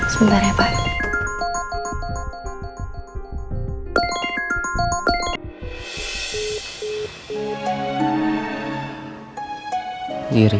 sebentar ya pak